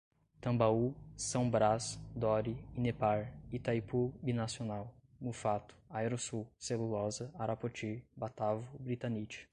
Tambaú, São Braz, Dore, Inepar, Itaipu Binacional, Muffato, Aerosul, Celulosa, Arapoti, Batavo, Britanite